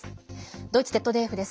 ドイツＺＤＦです。